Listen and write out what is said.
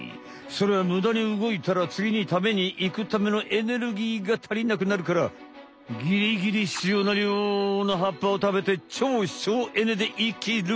それはむだにうごいたらつぎにたべにいくためのエネルギーがたりなくなるからギリギリ必要な量の葉っぱをたべて超省エネで生きる。